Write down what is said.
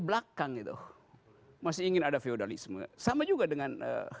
belakang itu masih ingin ada feudalisme sama juga dengan